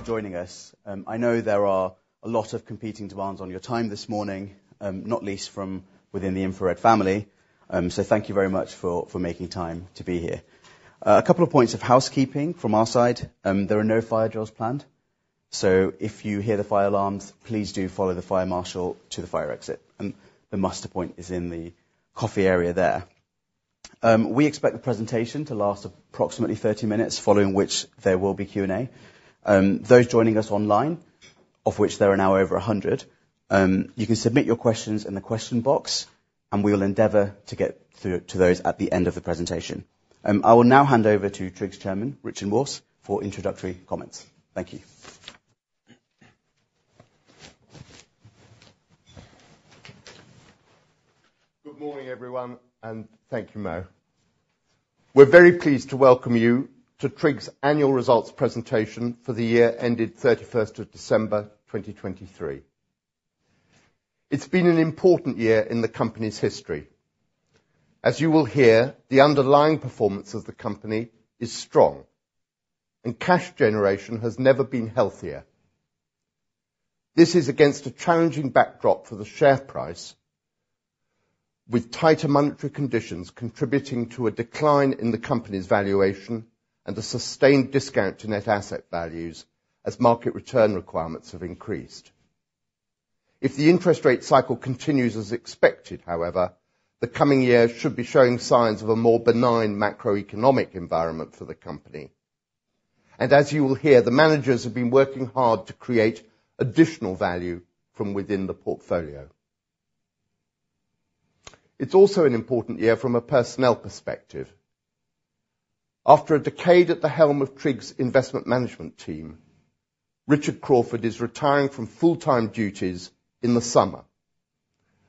We expect the presentation to last approximately 30 minutes, following which there will be Q&A. Those joining us online, of which there are now over 100, you can submit your questions in the question box, and we will endeavor to get to those at the end of the presentation. I will now hand over to TRIG's Chairman, Richard Morse, for introductory comments. Thank you. Good morning, everyone, and thank you, Mo. We're very pleased to welcome you to TRIG's annual results presentation for the year ended 31 December 2023. It's been an important year in the company's history. As you will hear, the underlying performance of the company is strong, and cash generation has never been healthier. This is against a challenging backdrop for the share price, with tighter monetary conditions contributing to a decline in the company's valuation and a sustained discount in net asset values as market return requirements have increased. If the interest rate cycle continues as expected, however, the coming year should be showing signs of a more benign macroeconomic environment for the company. And as you will hear, the managers have been working hard to create additional value from within the portfolio. It's also an important year from a personnel perspective. After a decade at the helm of TRIG's investment management team, Richard Crawford is retiring from full-time duties in the summer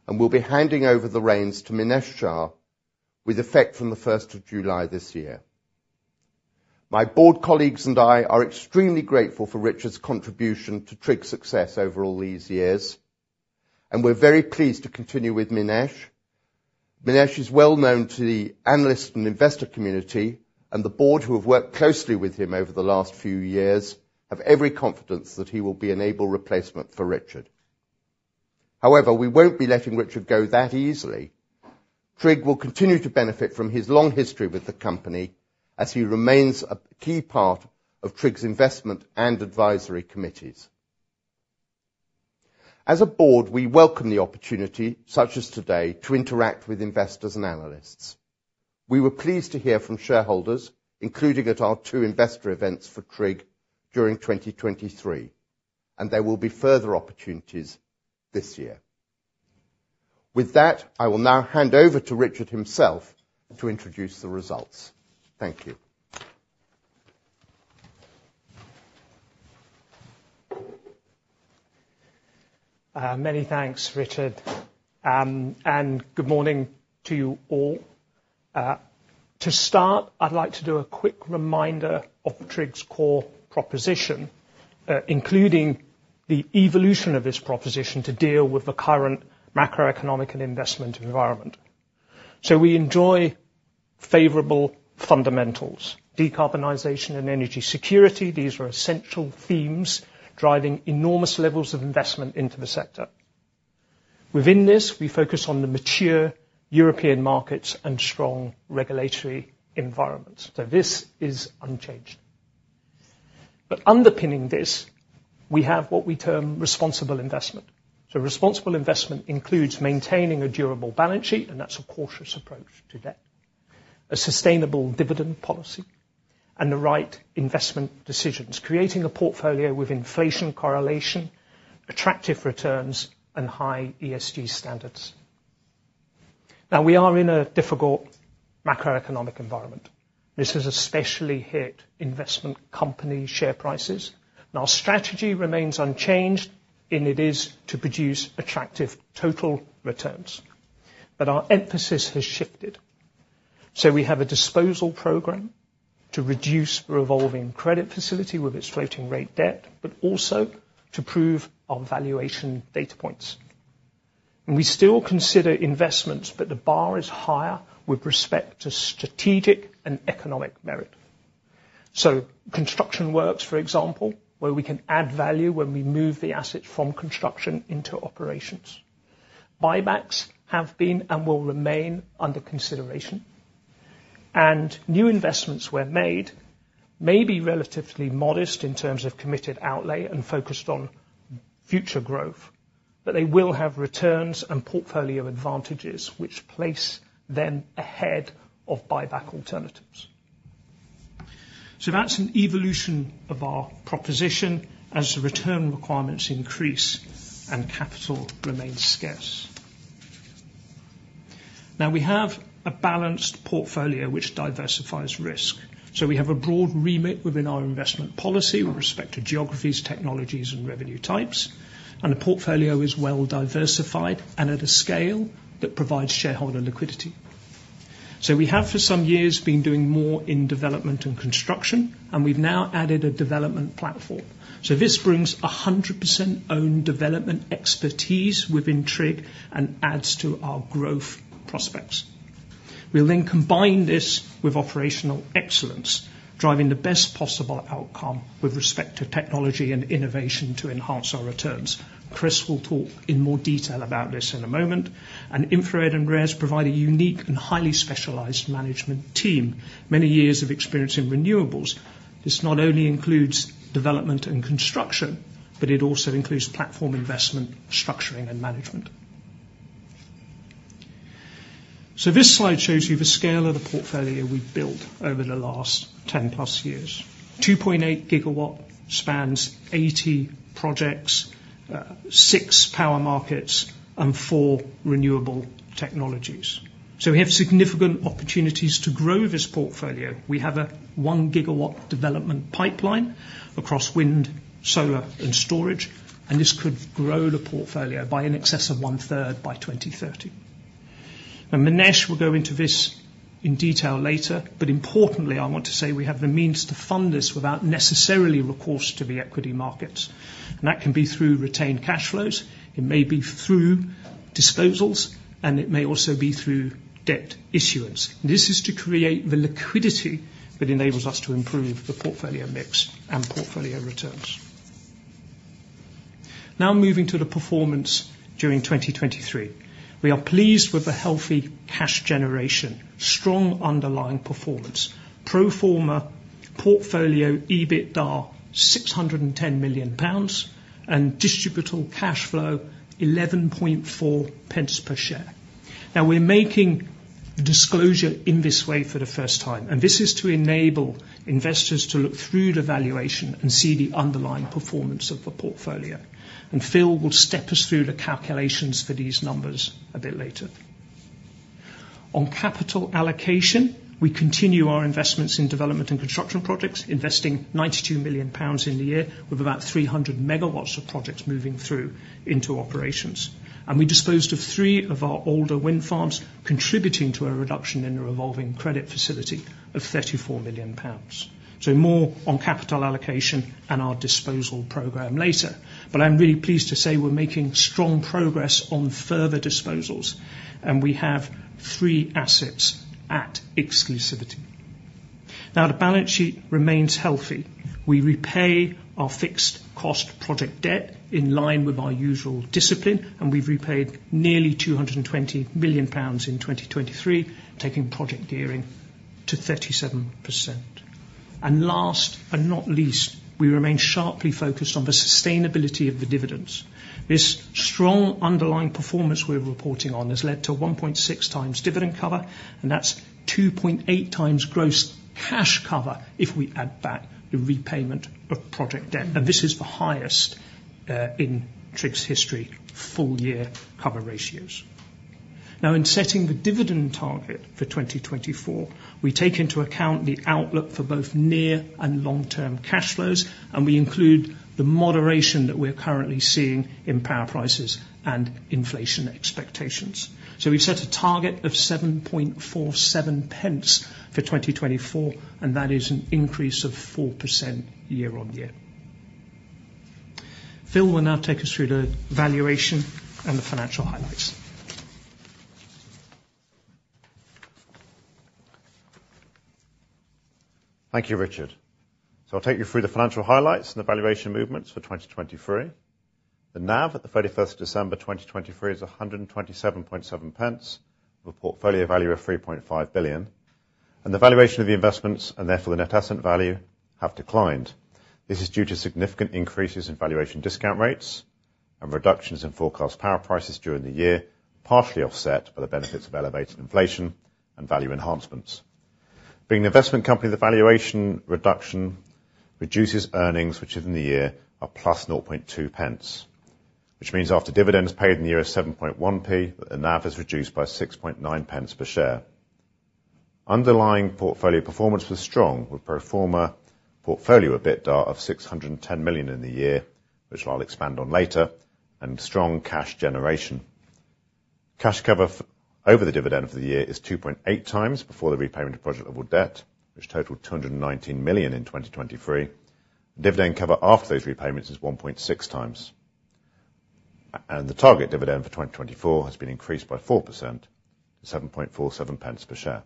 and will be handing over the reins to Minesh Shah, with effect from 1 July 2024. My board colleagues and I are extremely grateful for Richard's contribution to TRIG's success over all these years, and we're very pleased to continue with Minesh. Minesh is well known to the analyst and investor community, and the board who have worked closely with him over the last few years have every confidence that he will be an able replacement for Richard. However, we won't be letting Richard go that easily. TRIG will continue to benefit from his long history with the company as he remains a key part of TRIG's investment and advisory committees. As a board, we welcome the opportunity, such as today, to interact with investors and analysts. We were pleased to hear from shareholders, including at our two investor events for TRIG during 2023, and there will be further opportunities this year. With that, I will now hand over to Richard himself to introduce the results. Thank you. Many thanks, Richard. And good morning to you all. To start, I'd like to do a quick reminder of TRIG's core proposition, including the evolution of this proposition to deal with the current macroeconomic and investment environment. So we enjoy favorable fundamentals: decarbonization and energy security. These are essential themes driving enormous levels of investment into the sector. Within this, we focus on the mature European markets and strong regulatory environments. So this is unchanged. But underpinning this, we have what we term responsible investment. So responsible investment includes maintaining a durable balance sheet, and that's a cautious approach to debt, a sustainable dividend policy, and the right investment decisions, creating a portfolio with inflation correlation, attractive returns, and high ESG standards. Now, we are in a difficult macroeconomic environment. This has especially hit investment company share prices. Our strategy remains unchanged, and it is to produce attractive total returns. Our emphasis has shifted. We have a disposal program to reduce the revolving credit facility with its floating-rate debt, but also to prove our valuation data points. We still consider investments, but the bar is higher with respect to strategic and economic merit. Construction works, for example, where we can add value when we move the assets from construction into operations. Buybacks have been and will remain under consideration. New investments were made, maybe relatively modest in terms of committed outlay and focused on future growth, but they will have returns and portfolio advantages, which place them ahead of buyback alternatives. That's an evolution of our proposition as return requirements increase and capital remains scarce. Now, we have a balanced portfolio which diversifies risk. So we have a broad remit within our investment policy with respect to geographies, technologies, and revenue types. And the portfolio is well diversified and at a scale that provides shareholder liquidity. So we have, for some years, been doing more in development and construction, and we've now added a development platform. So this brings 100% owned development expertise within TRIG and adds to our growth prospects. We'll then combine this with operational excellence, driving the best possible outcome with respect to technology and innovation to enhance our returns. Chris will talk in more detail about this in a moment. And InfraRed and RES provide a unique and highly specialized management team, many years of experience in renewables. This not only includes development and construction, but it also includes platform investment structuring and management. So this slide shows you the scale of the portfolio we've built over the last 10+ years. 2.8 GW spans 80 projects, 6 power markets, and 4 renewable technologies. So we have significant opportunities to grow this portfolio. We have a 1 GW development pipeline across wind, solar, and storage. This could grow the portfolio by in excess of one-third by 2030. Now, Minesh, we'll go into this in detail later. But importantly, I want to say we have the means to fund this without necessarily recourse to the equity markets. That can be through retained cash flows. It may be through disposals, and it may also be through debt issuance. This is to create the liquidity that enables us to improve the portfolio mix and portfolio returns. Now moving to the performance during 2023. We are pleased with the healthy cash generation, strong underlying performance, pro forma portfolio EBITDA 610 million pounds, and distributable cash flow 0.114 pence per share. Now, we're making disclosure in this way for the first time. This is to enable investors to look through the valuation and see the underlying performance of the portfolio. And Phil will step us through the calculations for these numbers a bit later. On capital allocation, we continue our investments in development and construction projects, investing 92 million pounds in the year with about 300 MW of projects moving through into operations. We disposed of three of our older wind farms, contributing to a reduction in the revolving credit facility of 34 million pounds. More on capital allocation and our disposal program later. I'm really pleased to say we're making strong progress on further disposals. We have three assets at exclusivity. Now, the balance sheet remains healthy. We repay our fixed-cost project debt in line with our usual discipline. And we've repaid nearly 220 million pounds in 2023, taking project gearing to 37%. And last but not least, we remain sharply focused on the sustainability of the dividends. This strong underlying performance we're reporting on has led to 1.6 times dividend cover, and that's 2.8 times gross cash cover if we add back the repayment of project debt. And this is the highest in TRIG's history, full-year cover ratios. Now, in setting the dividend target for 2024, we take into account the outlook for both near and long-term cash flows, and we include the moderation that we're currently seeing in power prices and inflation expectations. We've set a target of 0.0747 for 2024, and that is an increase of 4% year-on-year. Phil will now take us through the valuation and the financial highlights. Thank you, Richard. So I'll take you through the financial highlights and the valuation movements for 2023. The NAV at 31 December 2023 is 127.7 pence, with a portfolio value of 3.5 billion. The valuation of the investments, and therefore the net asset value, have declined. This is due to significant increases in valuation discount rates and reductions in forecast power prices during the year, partially offset by the benefits of elevated inflation and value enhancements. Being an investment company, the valuation reduction reduces earnings, which within the year are +0.2 pence, which means after dividends paid in the year of 7.1p, the NAV has reduced by 6.9 pence per share. Underlying portfolio performance was strong, with pro forma portfolio EBITDA of 610 million in the year, which I'll expand on later, and strong cash generation. Cash cover over the dividend for the year is 2.8 times before the repayment of project level debt, which totaled 219 million in 2023. Dividend cover after those repayments is 1.6 times. The target dividend for 2024 has been increased by 4% to 7.47 pence per share.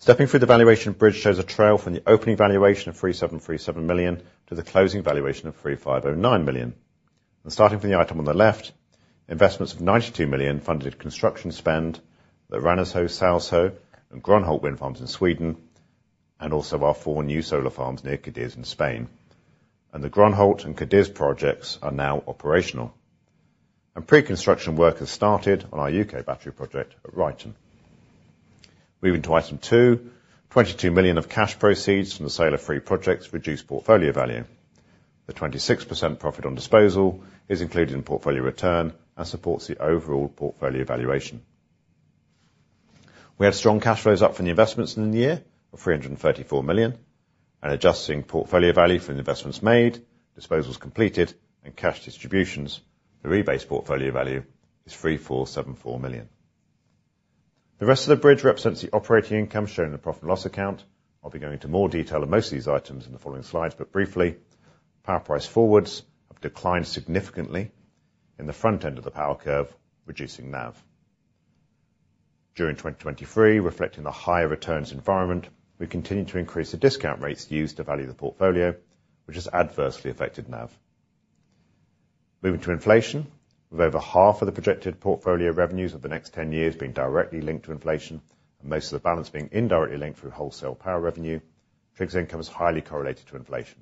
Stepping through the valuation bridge shows a trail from the opening valuation of 3.737 million to the closing valuation of 3.509 million. Starting from the item on the left, investments of 92 million funded construction spend at Ranasjö, Salsjö, and Grönhult wind farms in Sweden, and also our four new solar farms near Cádiz in Spain. The Grönhult and Cádiz projects are now operational. Pre-construction work has started on our UK battery project at Ryton. Moving to item 2, 22 million of cash proceeds from the sale of three projects reduced portfolio value. The 26% profit on disposal is included in portfolio return and supports the overall portfolio valuation. We had strong cash flows up from the investments in the year of 334 million. Adjusting portfolio value from the investments made, disposals completed, and cash distributions, the rebase portfolio value is 3.474 million. The rest of the bridge represents the operating income shown in the profit and loss account. I'll be going into more detail on most of these items in the following slides, but briefly, power price forwards have declined significantly in the front end of the power curve, reducing NAV. During 2023, reflecting the higher returns environment, we continued to increase the discount rates used to value the portfolio, which has adversely affected NAV. Moving to inflation, with over half of the projected portfolio revenues of the next 10 years being directly linked to inflation and most of the balance being indirectly linked through wholesale power revenue, TRIG's income is highly correlated to inflation.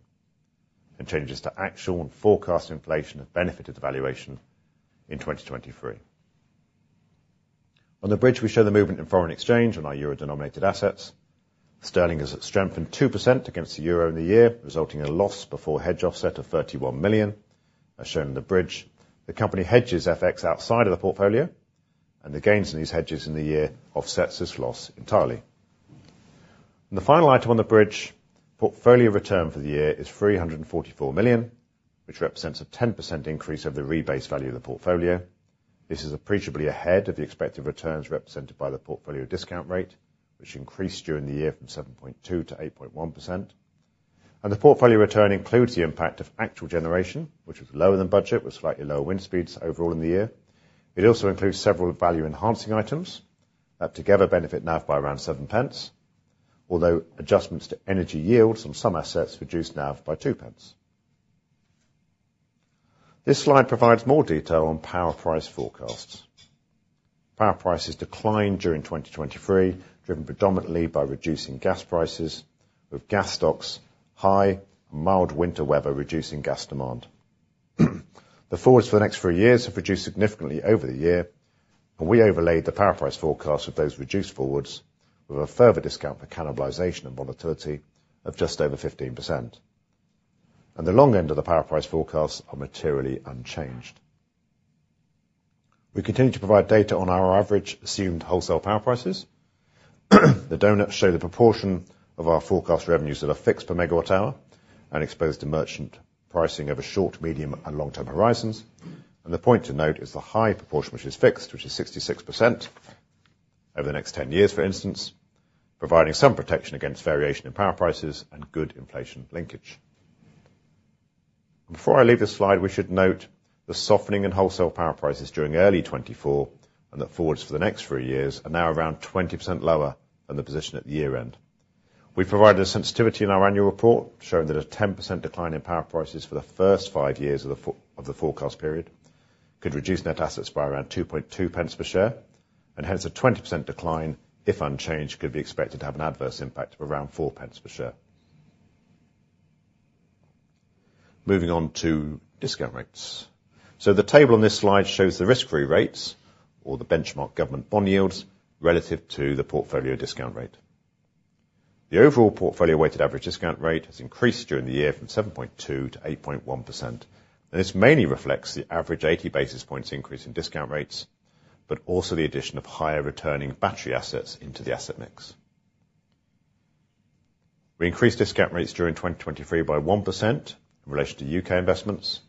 Changes to actual and forecast inflation have benefited the valuation in 2023. On the bridge, we show the movement in foreign exchange on our euro-denominated assets. Sterling has strengthened 2% against the euro in the year, resulting in a loss before hedge offset of 31 million, as shown in the bridge. The company hedges FX outside of the portfolio, and the gains in these hedges in the year offset this loss entirely. The final item on the bridge, portfolio return for the year is 344 million, which represents a 10% increase of the rebase value of the portfolio. This is appreciably ahead of the expected returns represented by the portfolio discount rate, which increased during the year from 7.2% to 8.1%. The portfolio return includes the impact of actual generation, which was lower than budget, with slightly lower wind speeds overall in the year. It also includes several value-enhancing items that together benefit NAV by around 0.07, although adjustments to energy yields on some assets reduce NAV by 0.02. This slide provides more detail on power price forecasts. Power prices declined during 2023, driven predominantly by reducing gas prices, with gas stocks high and mild winter weather reducing gas demand. The forwards for the next three years have reduced significantly over the year, and we overlaid the power price forecast with those reduced forwards, with a further discount for cannibalization and volatility of just over 15%. The long end of the power price forecasts are materially unchanged. We continue to provide data on our average assumed wholesale power prices. The donuts show the proportion of our forecast revenues that are fixed per megawatt-hour and exposed to merchant pricing over short, medium, and long-term horizons. The point to note is the high proportion, which is fixed, which is 66% over the next 10 years, for instance, providing some protection against variation in power prices and good inflation linkage. Before I leave this slide, we should note the softening in wholesale power prices during early 2024 and that forwards for the next 3 years are now around 20% lower than the position at the year-end. We've provided a sensitivity in our annual report showing that a 10% decline in power prices for the first five years of the forecast period could reduce net assets by around 0.022 per share. Hence, a 20% decline, if unchanged, could be expected to have an adverse impact of around 0.04 per share. Moving on to discount rates. The table on this slide shows the risk-free rates, or the benchmark government bond yields, relative to the portfolio discount rate. The overall portfolio weighted average discount rate has increased during the year from 7.2%-8.1%. This mainly reflects the average 80 basis points increase in discount rates, but also the addition of higher-returning battery assets into the asset mix. We increased discount rates during 2023 by 1% in relation to U.K. investments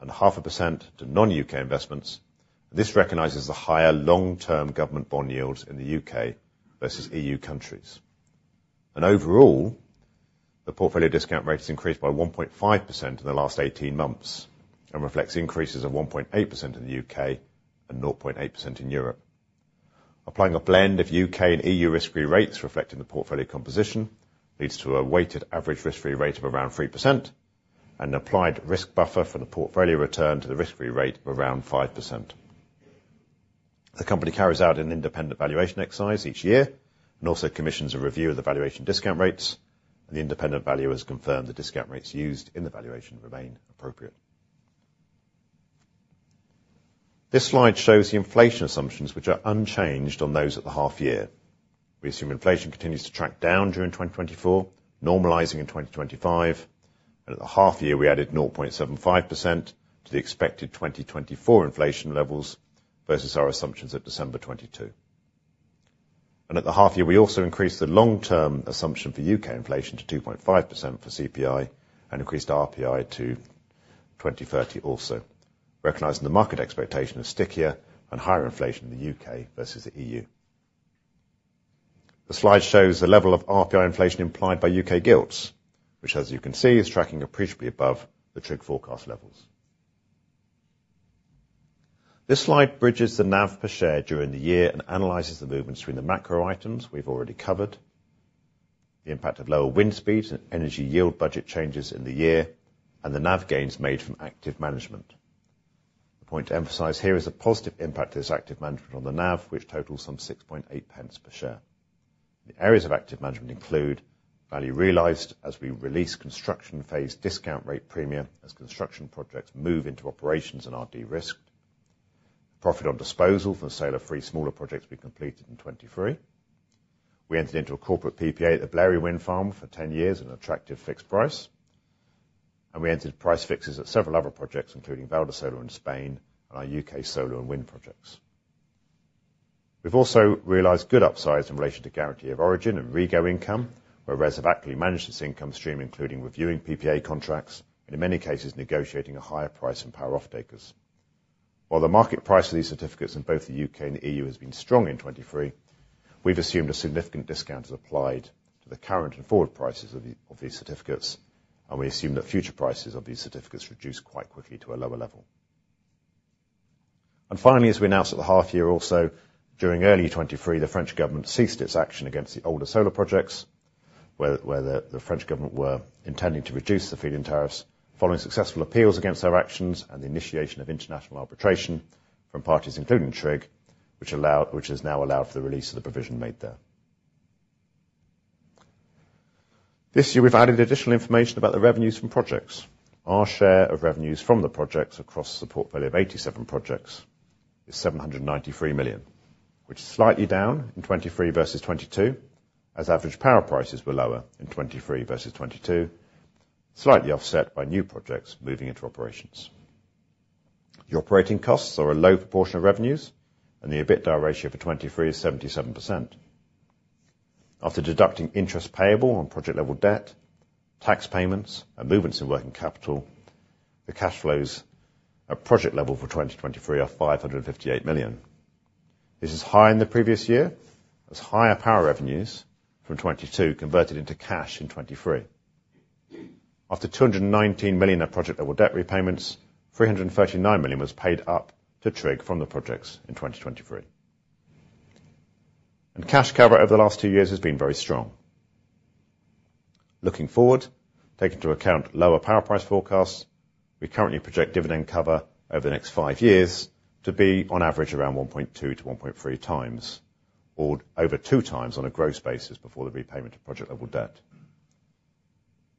and 0.5% to non-U.K. investments. This recognizes the higher long-term government bond yields in the UK versus EU countries. Overall, the portfolio discount rate has increased by 1.5% in the last 18 months and reflects increases of 1.8% in the UK and 0.8% in Europe. Applying a blend of UK and EU risk-free rates reflecting the portfolio composition leads to a weighted average risk-free rate of around 3% and an applied risk buffer from the portfolio return to the risk-free rate of around 5%. The company carries out an independent valuation exercise each year and also commissions a review of the valuation discount rates. The independent valuer has confirmed the discount rates used in the valuation remain appropriate. This slide shows the inflation assumptions, which are unchanged on those at the half-year. We assume inflation continues to track down during 2024, normalizing in 2025. At the half-year, we added 0.75% to the expected 2024 inflation levels versus our assumptions at December 2022. At the half-year, we also increased the long-term assumption for UK inflation to 2.5% for CPI and increased RPI to 2030 also, recognizing the market expectation of stickier and higher inflation in the UK versus the EU. The slide shows the level of RPI inflation implied by UK gilts, which, as you can see, is tracking appreciably above the TRIG forecast levels. This slide bridges the NAV per share during the year and analyzes the movements between the macro items we've already covered, the impact of lower wind speeds and energy yield budget changes in the year, and the NAV gains made from active management. The point to emphasize here is the positive impact of this active management on the NAV, which totals some 0.068 per share. The areas of active management include value realized as we release construction-phase discount rate premia as construction projects move into operations and are de-risked, profit on disposal from sale of three smaller projects we completed in 2023. We entered into a corporate PPA at the Blary Wind Farm for 10 years at an attractive fixed price. We entered price fixes at several other projects, including Valdesolar in Spain and our UK solar and wind projects. We've also realized good upsides in relation to Guarantee of Origin and REGO income, where RES have accurately managed this income stream, including reviewing PPA contracts and, in many cases, negotiating a higher price from power off-takers. While the market price of these certificates in both the UK and the EU has been strong in 2023, we've assumed a significant discount is applied to the current and forward prices of these certificates. We assume that future prices of these certificates reduce quite quickly to a lower level. Finally, as we announced at the half-year also, during early 2023, the French government ceased its action against the older solar projects, where the French government were intending to reduce the feed-in tariffs following successful appeals against their actions and the initiation of international arbitration from parties including TRIG, which has now allowed for the release of the provision made there. This year, we've added additional information about the revenues from projects. Our share of revenues from the projects across the portfolio of 87 projects is 793 million, which is slightly down in 2023 versus 2022 as average power prices were lower in 2023 versus 2022, slightly offset by new projects moving into operations. The operating costs are a low proportion of revenues, and the EBITDA ratio for 2023 is 77%. After deducting interest payable on project-level debt, tax payments, and movements in working capital, the cash flows at project level for 2023 are 558 million. This is higher in the previous year as higher power revenues from 2022 converted into cash in 2023. After 219 million at project-level debt repayments, 339 million was paid up to TRIG from the projects in 2023. Cash cover over the last two years has been very strong. Looking forward, taking into account lower power price forecasts, we currently project dividend cover over the next five years to be on average around 1.2-1.3 times, or over two times on a gross basis before the repayment of project-level debt.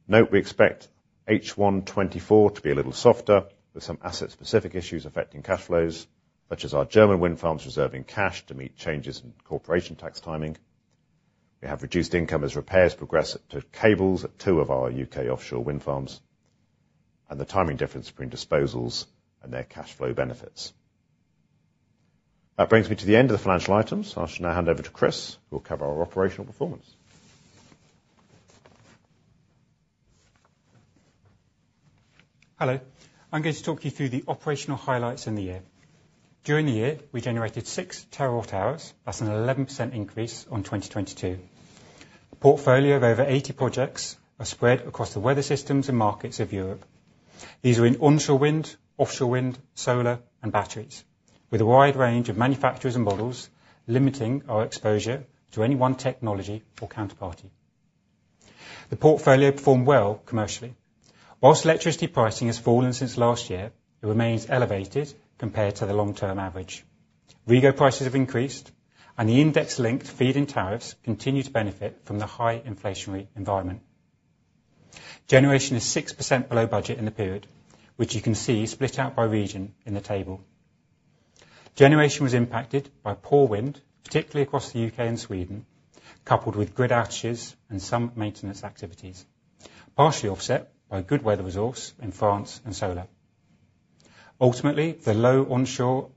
Note we expect H1 2024 to be a little softer, with some asset-specific issues affecting cash flows, such as our German wind farms reserving cash to meet changes in corporation tax timing. We have reduced income as repairs progress to cables at two of our U.K. offshore wind farms and the timing difference between disposals and their cash flow benefits. That brings me to the end of the financial items. I'll now hand over to Chris, who will cover our operational performance. Hello. I'm going to talk you through the operational highlights in the year. During the year, we generated 6 TWh, that's an 11% increase on 2022. The portfolio of over 80 projects are spread across the weather systems and markets of Europe. These are in onshore wind, offshore wind, solar, and batteries, with a wide range of manufacturers and models limiting our exposure to any one technology or counterparty. The portfolio performed well commercially. While electricity pricing has fallen since last year, it remains elevated compared to the long-term average. REGO prices have increased, and the index-linked feed-in tariffs continue to benefit from the high inflationary environment. Generation is 6% below budget in the period, which you can see split out by region in the table. Generation was impacted by poor wind, particularly across the UK and Sweden, coupled with grid outages and some maintenance activities, partially offset by good weather resource in France and solar. Ultimately, the low onshore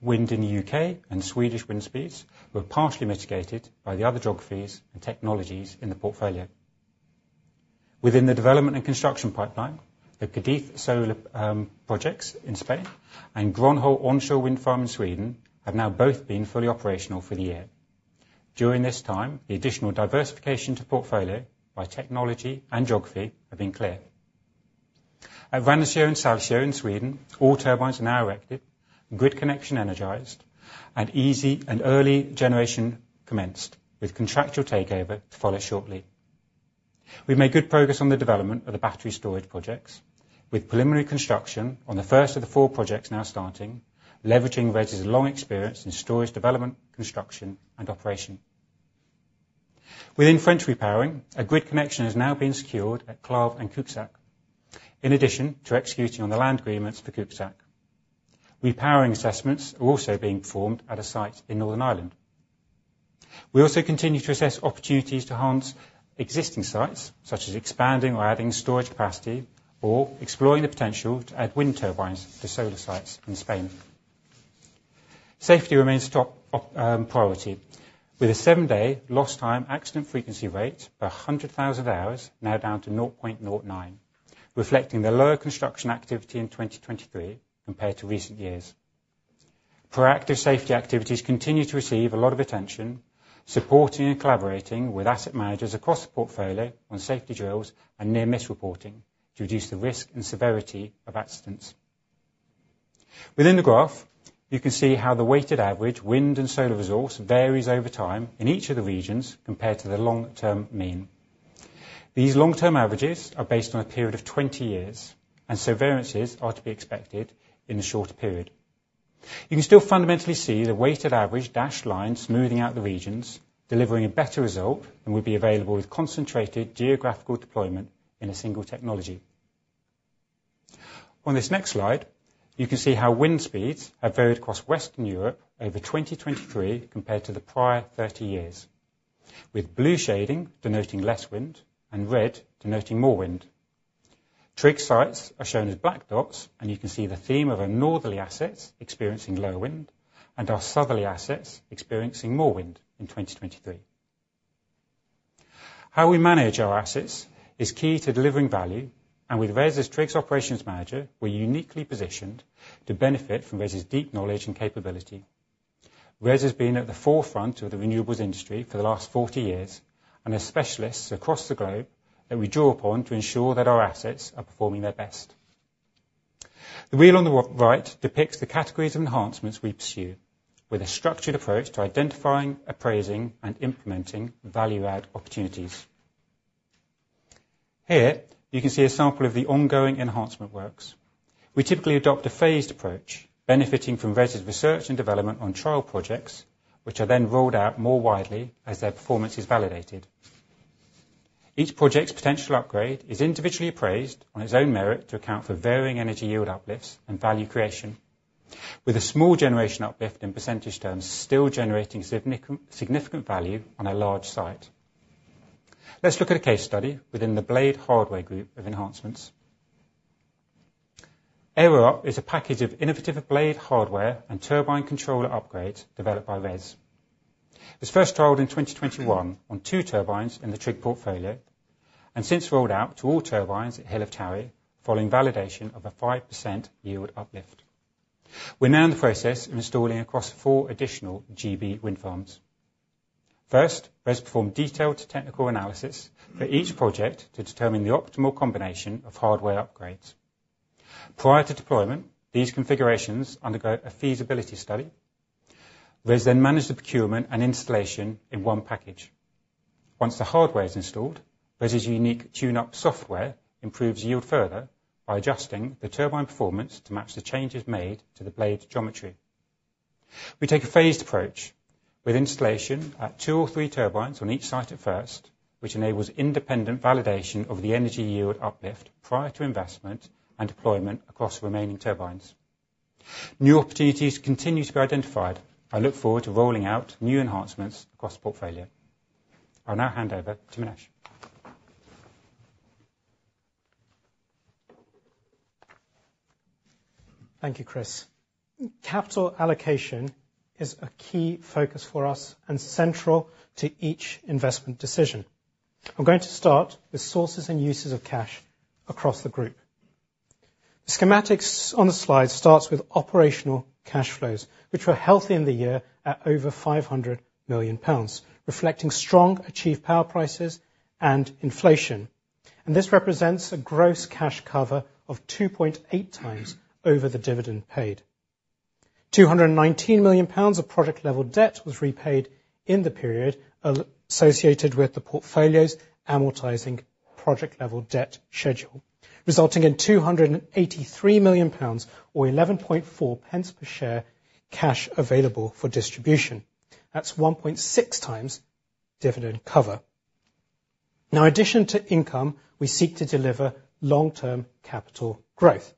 wind in the UK and Swedish wind speeds were partially mitigated by the other geographies and technologies in the portfolio. Within the development and construction pipeline, the Cádiz solar projects in Spain and Grönhult onshore wind farm in Sweden have now both been fully operational for the year. During this time, the additional diversification to portfolio by technology and geography has been clear. At Ranasjö and Salsjö in Sweden, all turbines are now erected, grid connection energized, and easy and early generation commenced, with contractual takeover to follow shortly. We've made good progress on the development of the battery storage projects, with preliminary construction on the first of the 4 projects now starting, leveraging RES's long experience in storage development, construction, and operation. Within French repowering, a grid connection has now been secured at Claves and Cuxac, in addition to executing on the land agreements for Cuxac. Repowering assessments are also being performed at a site in Northern Ireland. We also continue to assess opportunities to enhance existing sites, such as expanding or adding storage capacity or exploring the potential to add wind turbines to solar sites in Spain. Safety remains a top priority, with a 7-day lost-time accident frequency rate per 100,000 hours now down to 0.09, reflecting the lower construction activity in 2023 compared to recent years. Proactive safety activities continue to receive a lot of attention, supporting and collaborating with asset managers across the portfolio on safety drills and near-miss reporting to reduce the risk and severity of accidents. Within the graph, you can see how the weighted average wind and solar resource varies over time in each of the regions compared to the long-term mean. These long-term averages are based on a period of 20 years, and variances are to be expected in the shorter period. You can still fundamentally see the weighted average dashed line smoothing out the regions, delivering a better result than would be available with concentrated geographical deployment in a single technology. On this next slide, you can see how wind speeds have varied across Western Europe over 2023 compared to the prior 30 years, with blue shading denoting less wind and red denoting more wind. TRIG sites are shown as black dots, and you can see the theme of our northerly assets experiencing low wind and our southerly assets experiencing more wind in 2023. How we manage our assets is key to delivering value. With RES as TRIG's operations manager, we're uniquely positioned to benefit from RES's deep knowledge and capability. RES has been at the forefront of the renewables industry for the last 40 years and has specialists across the globe that we draw upon to ensure that our assets are performing their best. The wheel on the right depicts the categories of enhancements we pursue, with a structured approach to identifying, appraising, and implementing value-add opportunities. Here, you can see a sample of the ongoing enhancement works. We typically adopt a phased approach, benefiting from RES's research and development on trial projects, which are then rolled out more widely as their performance is validated. Each project's potential upgrade is individually appraised on its own merit to account for varying energy yield uplifts and value creation, with a small generation uplift in percentage terms still generating significant value on a large site. Let's look at a case study within the Blade Hardware Group of enhancements. AeroUp is a package of innovative blade hardware and turbine controller upgrades developed by RES. It was first trialled in 2021 on 2 turbines in the TRIG portfolio and since rolled out to all turbines at Hill of Towie following validation of a 5% yield uplift. We're now in the process of installing across 4 additional GB wind farms. First, RES performed detailed technical analysis for each project to determine the optimal combination of hardware upgrades. Prior to deployment, these configurations undergo a feasibility study. RES then managed the procurement and installation in one package. Once the hardware is installed, RES's unique TuneUp software improves yield further by adjusting the turbine performance to match the changes made to the blade's geometry. We take a phased approach with installation at 2 or 3 turbines on each site at first, which enables independent validation of the energy yield uplift prior to investment and deployment across the remaining turbines. New opportunities continue to be identified. I look forward to rolling out new enhancements across the portfolio. I'll now hand over to Minesh. Thank you, Chris. Capital allocation is a key focus for us and central to each investment decision. I'm going to start with sources and uses of cash across the group. The schematics on the slide starts with operational cash flows, which were healthy in the year at over 500 million pounds, reflecting strong achieved power prices and inflation. This represents a gross cash cover of 2.8 times over the dividend paid. 219 million pounds of project-level debt was repaid in the period associated with the portfolio's amortising project-level debt schedule, resulting in 283 million pounds or 0.114 pence per share cash available for distribution. That's 1.6 times dividend cover. Now, in addition to income, we seek to deliver long-term capital growth.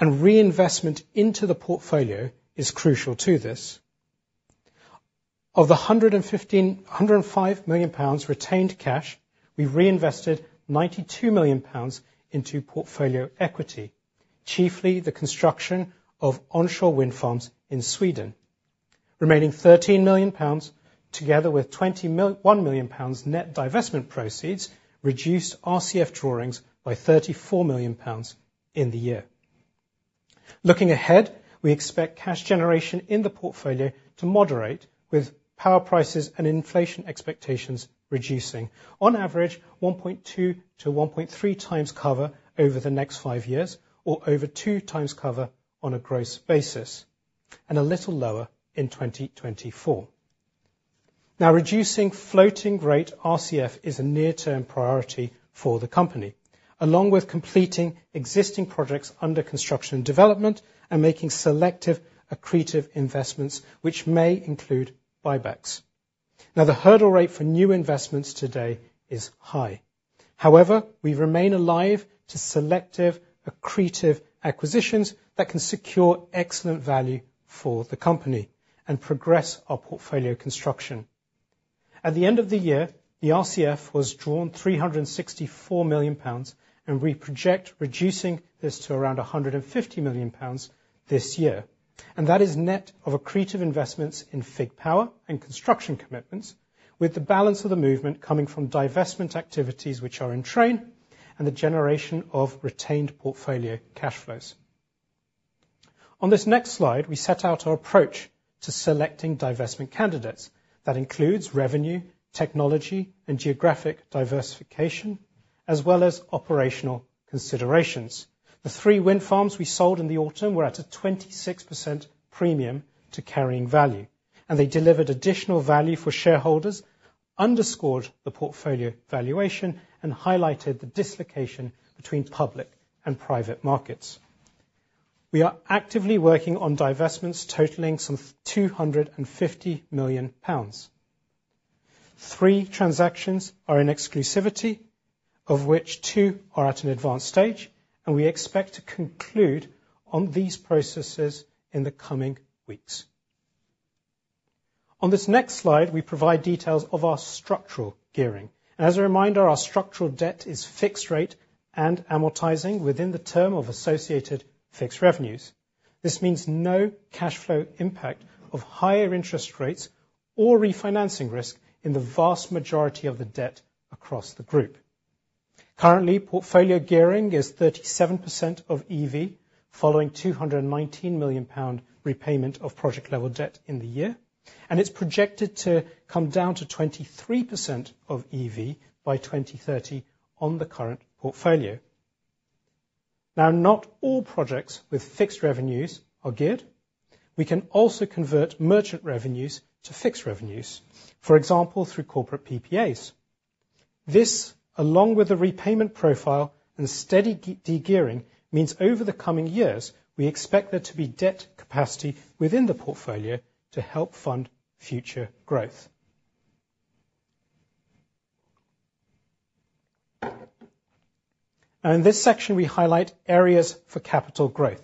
Reinvestment into the portfolio is crucial to this. Of the 105 million pounds retained cash, we reinvested 92 million pounds into portfolio equity, chiefly the construction of onshore wind farms in Sweden. Remaining 13 million pounds, together with 1 million pounds net divestment proceeds, reduced RCF drawings by 34 million pounds in the year. Looking ahead, we expect cash generation in the portfolio to moderate, with power prices and inflation expectations reducing, on average 1.2-1.3 times cover over the next 5 years or over 2 times cover on a gross basis and a little lower in 2024. Now, reducing floating-rate RCF is a near-term priority for the company, along with completing existing projects under construction and development and making selective accretive investments, which may include buybacks. Now, the hurdle rate for new investments today is high. However, we remain alive to selective accretive acquisitions that can secure excellent value for the company and progress our portfolio construction. At the end of the year, the RCF was drawn 364 million pounds and we project reducing this to around 150 million pounds this year. That is net of accretive investments in Fig Power and construction commitments, with the balance of the movement coming from divestment activities which are in train and the generation of retained portfolio cash flows. On this next slide, we set out our approach to selecting divestment candidates. That includes revenue, technology, and geographic diversification, as well as operational considerations. The three wind farms we sold in the autumn were at a 26% premium to carrying value, and they delivered additional value for shareholders, underscored the portfolio valuation, and highlighted the dislocation between public and private markets. We are actively working on divestments totaling some 250 million pounds. Three transactions are in exclusivity, of which two are at an advanced stage, and we expect to conclude on these processes in the coming weeks. On this next slide, we provide details of our structural gearing. As a reminder, our structural debt is fixed rate and amortising within the term of associated fixed revenues. This means no cash flow impact of higher interest rates or refinancing risk in the vast majority of the debt across the group. Currently, portfolio gearing is 37% of EV following 219 million pound repayment of project-level debt in the year, and it's projected to come down to 23% of EV by 2030 on the current portfolio. Now, not all projects with fixed revenues are geared. We can also convert merchant revenues to fixed revenues, for example, through corporate PPAs. This, along with the repayment profile and steady degearing, means over the coming years, we expect there to be debt capacity within the portfolio to help fund future growth. In this section, we highlight areas for capital growth,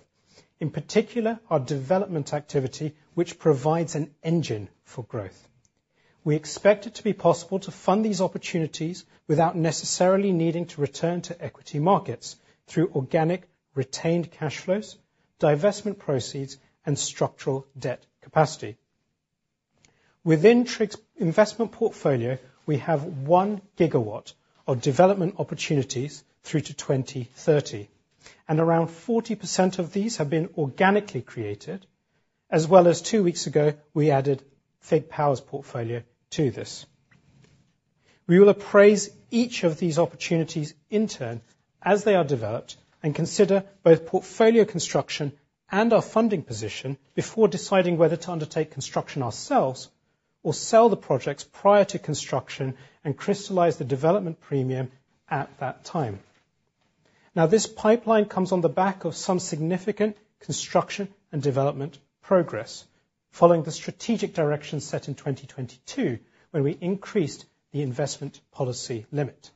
in particular our development activity, which provides an engine for growth. We expect it to be possible to fund these opportunities without necessarily needing to return to equity markets through organic retained cash flows, divestment proceeds, and structural debt capacity. Within TRIG's investment portfolio, we have 1 GW of development opportunities through to 2030. Around 40% of these have been organically created, as well as two weeks ago, we added Fig Power's portfolio to this. We will appraise each of these opportunities in turn as they are developed and consider both portfolio construction and our funding position before deciding whether to undertake construction ourselves or sell the projects prior to construction and crystallize the development premium at that time. Now, this pipeline comes on the back of some significant construction and development progress following the strategic direction set in 2022 when we increased the investment policy limit.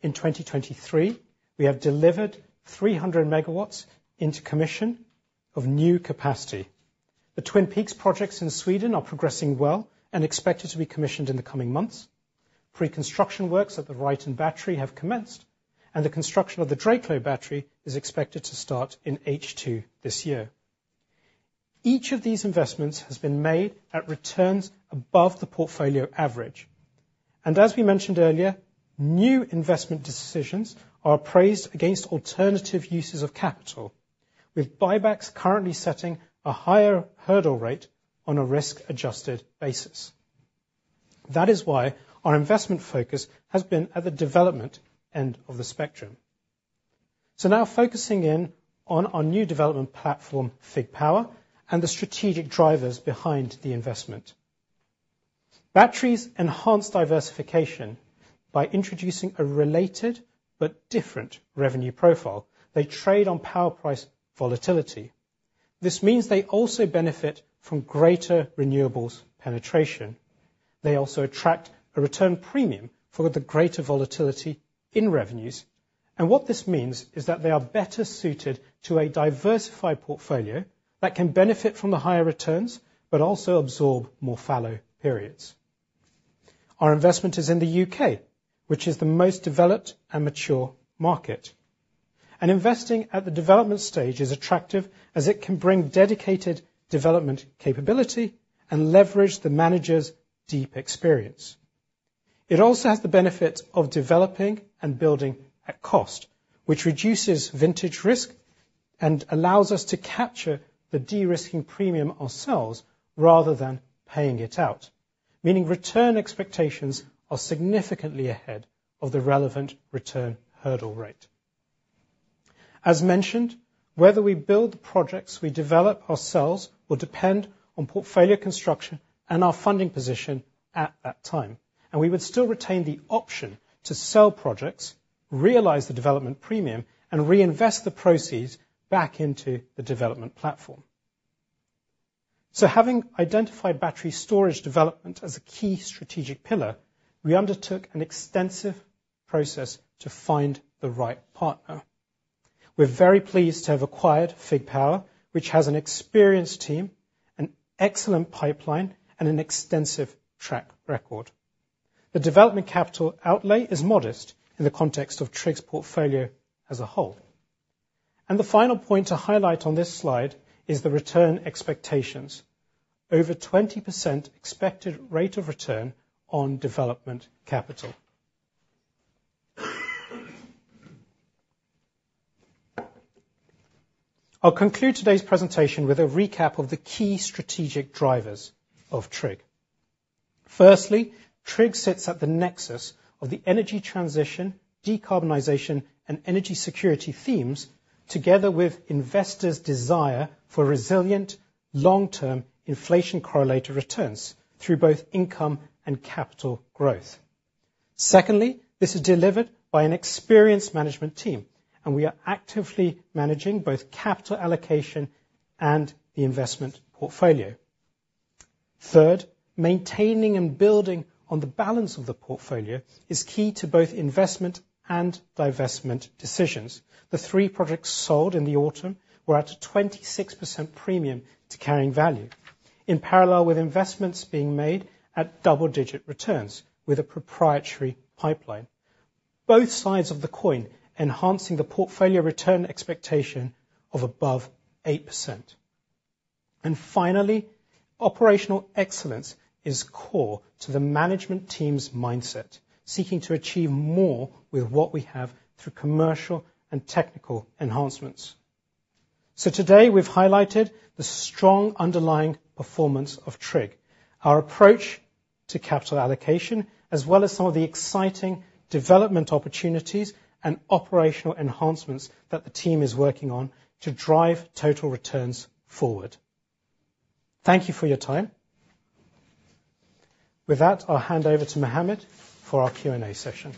In 2023, we have delivered 300 MW into commission of new capacity. The Twin Peaks projects in Sweden are progressing well and expected to be commissioned in the coming months. Pre-construction works at the Ryton battery have commenced, and the construction of the Drakelow battery is expected to start in H2 this year. Each of these investments has been made at returns above the portfolio average. And as we mentioned earlier, new investment decisions are appraised against alternative uses of capital, with buybacks currently setting a higher hurdle rate on a risk-adjusted basis. That is why our investment focus has been at the development end of the spectrum. So now focusing in on our new development platform, Fig Power, and the strategic drivers behind the investment. Batteries enhance diversification by introducing a related but different revenue profile. They trade on power price volatility. This means they also benefit from greater renewables penetration. They also attract a return premium for the greater volatility in revenues. What this means is that they are better suited to a diversified portfolio that can benefit from the higher returns but also absorb more fallow periods. Our investment is in the UK, which is the most developed and mature market. Investing at the development stage is attractive as it can bring dedicated development capability and leverage the manager's deep experience. It also has the benefit of developing and building at cost, which reduces vintage risk and allows us to capture the de-risking premium ourselves rather than paying it out, meaning return expectations are significantly ahead of the relevant return hurdle rate. As mentioned, whether we build the projects we develop ourselves will depend on portfolio construction and our funding position at that time. We would still retain the option to sell projects, realize the development premium, and reinvest the proceeds back into the development platform. Having identified battery storage development as a key strategic pillar, we undertook an extensive process to find the right partner. We're very pleased to have acquired Fig Power, which has an experienced team, an excellent pipeline, and an extensive track record. The development capital outlay is modest in the context of TRIG's portfolio as a whole. The final point to highlight on this slide is the return expectations, over 20% expected rate of return on development capital. I'll conclude today's presentation with a recap of the key strategic drivers of TRIG. Firstly, TRIG sits at the nexus of the energy transition, decarbonization, and energy security themes together with investors' desire for resilient long-term inflation-correlated returns through both income and capital growth. Secondly, this is delivered by an experienced management team, and we are actively managing both capital allocation and the investment portfolio. Third, maintaining and building on the balance of the portfolio is key to both investment and divestment decisions. The three projects sold in the autumn were at a 26% premium to carrying value, in parallel with investments being made at double-digit returns with a proprietary pipeline, both sides of the coin enhancing the portfolio return expectation of above 8%. Finally, operational excellence is core to the management team's mindset, seeking to achieve more with what we have through commercial and technical enhancements. Today, we've highlighted the strong underlying performance of TRIG, our approach to capital allocation, as well as some of the exciting development opportunities and operational enhancements that the team is working on to drive total returns forward. Thank you for your time. With that, I'll hand over to Mohammed for our Q&A session.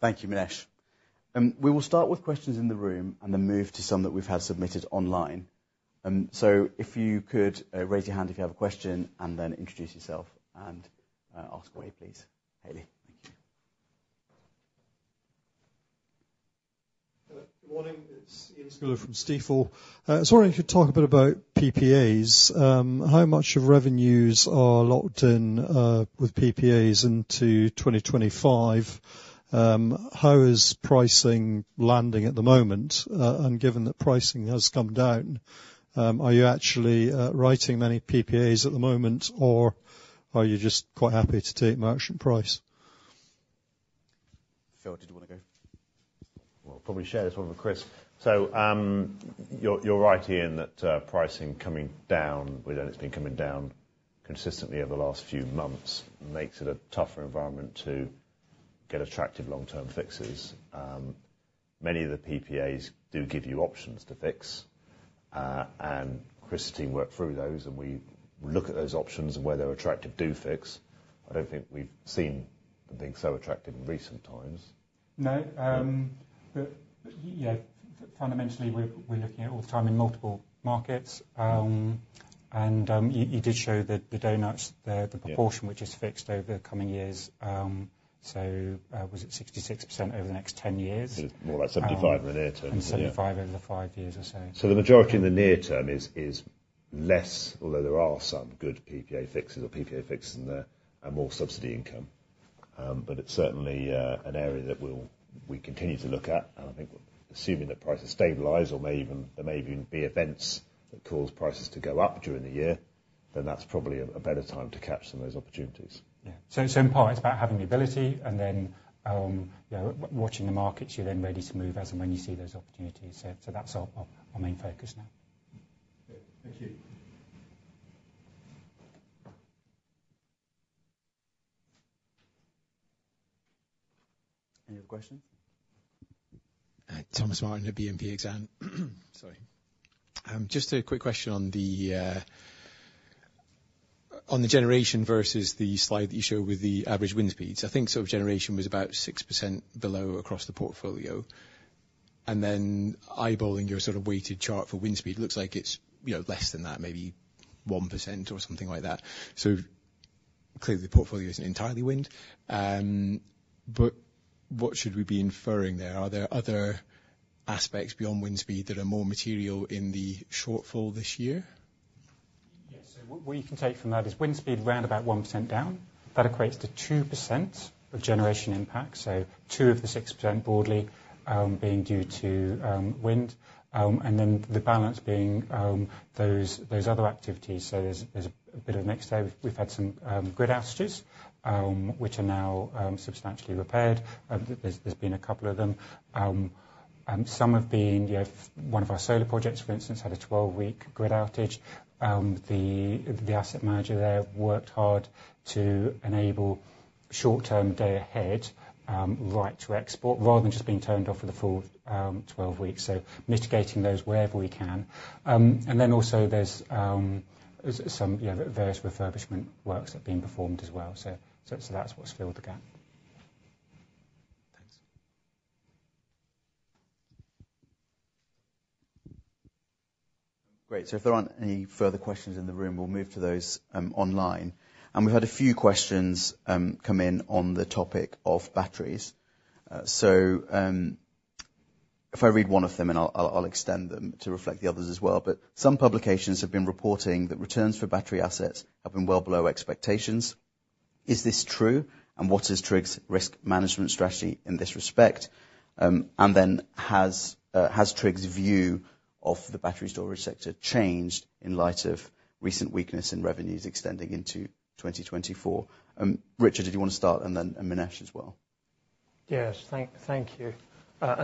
Thank you, Minesh. We will start with questions in the room and then move to some that we've had submitted online. So if you could raise your hand if you have a question and then introduce yourself and ask away, please. Haley, thank you. Good morning. It's Iain Scouller from Stifel. I was wondering if you could talk a bit about PPAs. How much of revenues are locked in with PPAs into 2025? How is pricing landing at the moment? And given that pricing has come down, are you actually writing many PPAs at the moment, or are you just quite happy to take merchant price? Phil, did you want to go? Well, I'll probably share this one with Chris. So you're right, Iain, that pricing coming down, with it it's been coming down consistently over the last few months, makes it a tougher environment to get attractive long-term fixes. Many of the PPAs do give you options to fix. And Chris's team worked through those, and we look at those options and where they're attractive do fix. I don't think we've seen them being so attractive in recent times. No. Yeah. Fundamentally, we're looking at all the time in multiple markets. And you did show the donuts, the proportion which is fixed over the coming years. So was it 66% over the next 10 years? More like 75 in the near term. 75 over the five years or so. So the majority in the near term is less, although there are some good PPA fixes in there, and more subsidy income. But it's certainly an area that we'll continue to look at. And I think assuming that prices stabilize or may even be events that cause prices to go up during the year, then that's probably a better time to catch some of those opportunities. Yeah. So its imporant about having the ability and then watching the markets. You're then ready to move as and when you see those opportunities. That's our main focus now. Thank you. Any other questions? Thomas Martin at BNP Paribas Exane. Sorry. Just a quick question on the generation versus the slide that you showed with the average wind speeds. I think sort of generation was about 6% below across the portfolio. And then eyeballing your sort of weighted chart for wind speed, it looks like it's less than that, maybe 1% or something like that. So clearly, the portfolio isn't entirely wind. But what should we be inferring there? Are there other aspects beyond wind speed that are more material in the shortfall this year? Yeah. So what you can take from that is wind speed round about 1% down. That equates to 2% of generation impact, so 2 of the 6% broadly being due to wind. And then the balance being those other activities. So there's a bit of a mix there. We've had some grid outages, which are now substantially repaired. There's been a couple of them. Some have been one of our solar projects, for instance, had a 12-week grid outage. The asset manager there worked hard to enable short-term day-ahead right to export rather than just being turned off for the full 12 weeks. So mitigating those wherever we can. And then also, there's some various refurbishment works that have been performed as well. So that's what's filled the gap. Thanks. Great. So if there aren't any further questions in the room, we'll move to those online. And we've had a few questions come in on the topic of batteries. So if I read one of them, and I'll extend them to reflect the others as well. But some publications have been reporting that returns for battery assets have been well below expectations. Is this true, and what is TRIG's risk management strategy in this respect? And then has TRIG's view of the battery storage sector changed in light of recent weakness in revenues extending into 2024? Richard, did you want to start, and then Minesh as well? Yes. Thank you.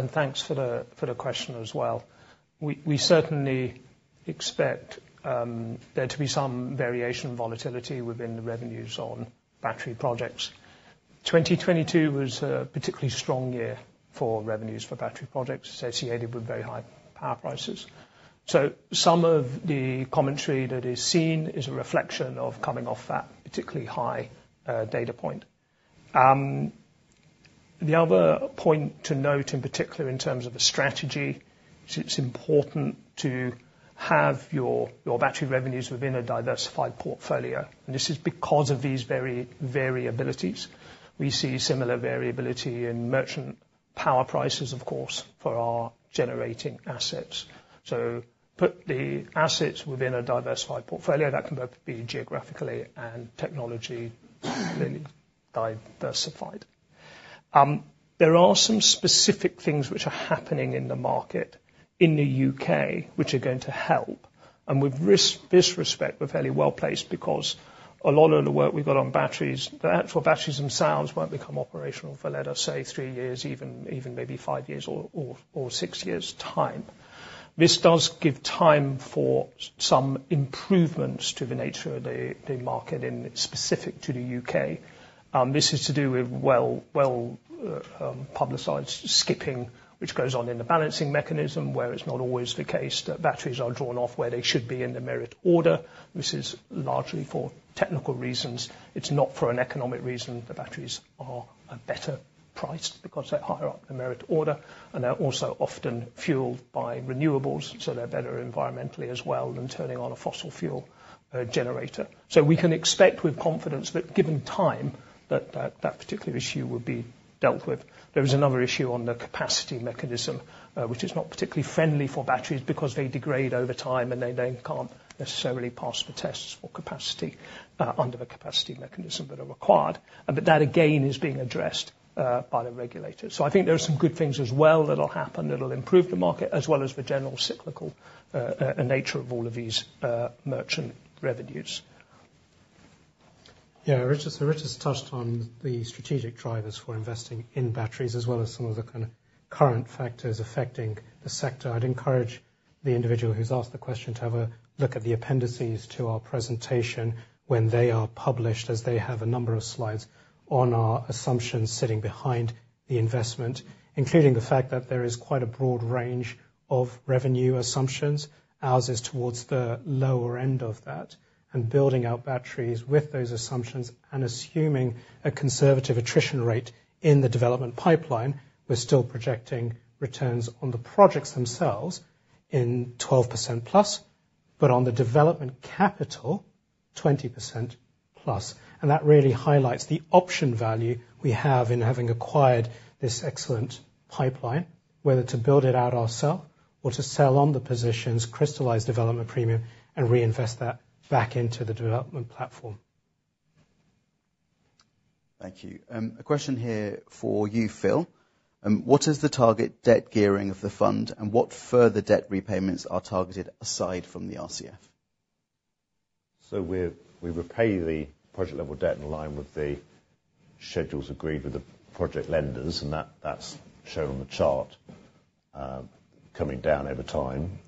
Thanks for the question as well. We certainly expect there to be some variation and volatility within the revenues on battery projects. 2022 was a particularly strong year for revenues for battery projects associated with very high power prices. Some of the commentary that is seen is a reflection of coming off that particularly high data point. The other point to note, in particular in terms of a strategy, it's important to have your battery revenues within a diversified portfolio. This is because of these very variabilities. We see similar variability in merchant power prices, of course, for our generating assets. Put the assets within a diversified portfolio. That can both be geographically and technologically diversified. There are some specific things which are going to help. With this respect, we're fairly well placed because a lot of the work we've got on batteries, the actual batteries themselves won't become operational for, let us say, 3 years, even maybe 5 years or 6 years' time. This does give time for some improvements to the nature of the market specific to the UK. This is to do with well-publicized skipping which goes on in the Balancing Mechanism where it's not always the case that batteries are drawn off where they should be in the merit order. This is largely for technical reasons. It's not for an economic reason that batteries are better priced because they're higher up the merit order, and they're also often fueled by renewables, so they're better environmentally as well than turning on a fossil fuel generator. So we can expect with confidence that given time, that particular issue would be dealt with. There is another issue on the Capacity Mechanism which is not particularly friendly for batteries because they degrade over time, and they then can't necessarily pass the tests for capacity under the Capacity Mechanism that are required. But that, again, is being addressed by the regulators. So I think there are some good things as well that'll happen that'll improve the market as well as the general cyclical nature of all of these merchant revenues. Yeah. So Richard's touched on the strategic drivers for investing in batteries as well as some of the kind of current factors affecting the sector. I'd encourage the individual who's asked the question to have a look at the appendices to our presentation when they are published as they have a number of slides on our assumptions sitting behind the investment, including the fact that there is quite a broad range of revenue assumptions. Ours is towards the lower end of that. And building out batteries with those assumptions and assuming a conservative attrition rate in the development pipeline, we're still projecting returns on the projects themselves in 12%+, but on the development capital, 20%+. And that really highlights the option value we have in having acquired this excellent pipeline, whether to build it out ourselves or to sell on the positions, crystallise development premium, and reinvest that back into the development platform. Thank you. A question here for you, Phil. What is the target debt gearing of the fund, and what further debt repayments are targeted aside from the RCF? So we repay the project-level debt in line with the schedules agreed with the project lenders, and that's shown on the chart coming down over time.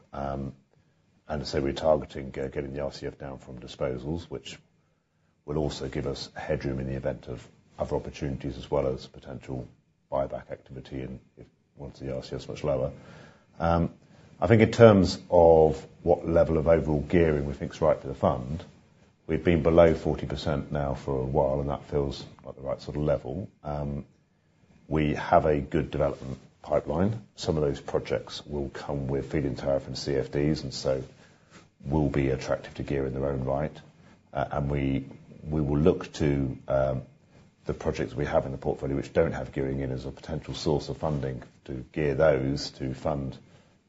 And so we're targeting getting the RCF down from disposals, which will also give us headroom in the event of other opportunities as well as potential buyback activity once the RCF's much lower. I think in terms of what level of overall gearing we think's right for the fund, we've been below 40% now for a while, and that feels like the right sort of level. We have a good development pipeline. Some of those projects will come with Feed-in Tariff and CFDs, and so will be attractive to gear in their own right. We will look to the projects we have in the portfolio which don't have gearing in as a potential source of funding to gear those to fund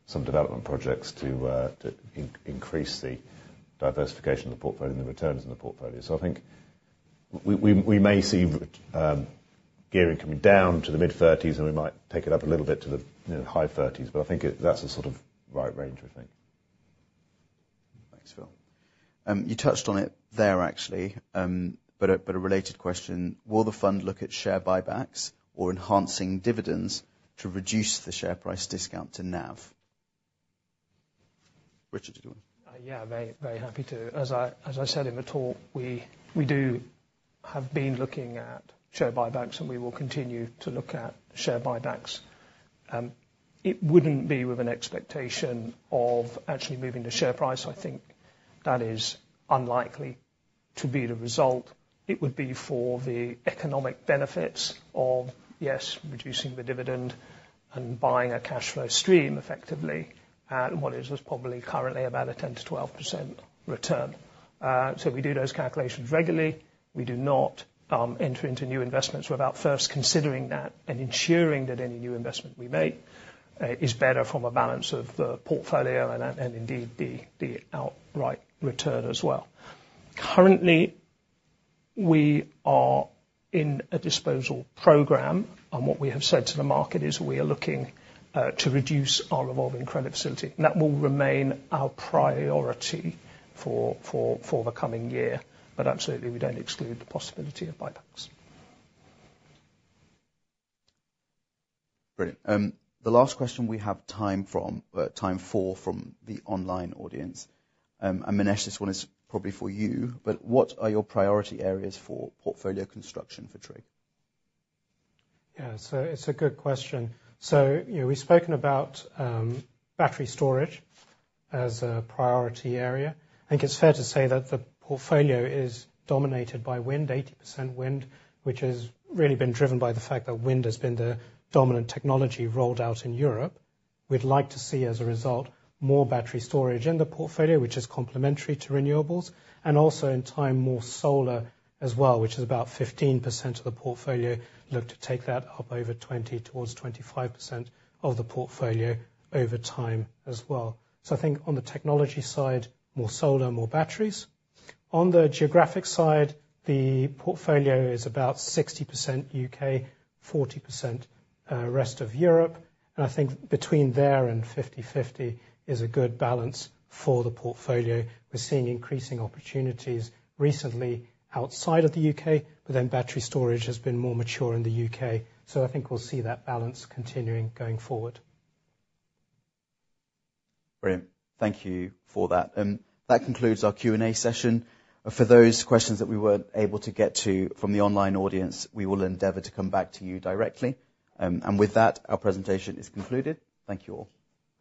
some development projects to increase the diversification of the portfolio and the returns in the portfolio. I think we may see gearing coming down to the mid-30s, and we might take it up a little bit to the high-30s. I think that's the sort of right range, I think. Thanks, Phil. You touched on it there, actually, but a related question. Will the fund look at share buybacks or enhancing dividends to reduce the share price discount to NAV? Richard, did you want to? Yeah. Very happy to. As I said in the talk, we do have been looking at share buybacks, and we will continue to look at share buybacks. It wouldn't be with an expectation of actually moving the share price. I think that is unlikely to be the result. It would be for the economic benefits of, yes, reducing the dividend and buying a cash flow stream effectively at what is probably currently about a 10%-12% return. So we do those calculations regularly. We do not enter into new investments without first considering that and ensuring that any new investment we make is better from a balance of the portfolio and indeed the outright return as well. Currently, we are in a disposal program. And what we have said to the market is we are looking to reduce our revolving credit facility. That will remain our priority for the coming year. But absolutely, we don't exclude the possibility of buybacks. Brilliant. The last question we have time for from the online audience. Minesh, this one is probably for you. What are your priority areas for portfolio construction for TRIG? Yeah. So it's a good question. So we've spoken about battery storage as a priority area. I think it's fair to say that the portfolio is dominated by wind, 80% wind, which has really been driven by the fact that wind has been the dominant technology rolled out in Europe. We'd like to see, as a result, more battery storage in the portfolio, which is complementary to renewables, and also in time, more solar as well, which is about 15% of the portfolio. Look to take that up over 20%-25% of the portfolio over time as well. So I think on the technology side, more solar, more batteries. On the geographic side, the portfolio is about 60% UK, 40% rest of Europe. And I think between there and 50/50 is a good balance for the portfolio. We're seeing increasing opportunities recently outside of the UK, but then battery storage has been more mature in the UK. So I think we'll see that balance continuing going forward. Brilliant. Thank you for that. That concludes our Q&A session. For those questions that we weren't able to get to from the online audience, we will endeavor to come back to you directly. With that, our presentation is concluded. Thank you all.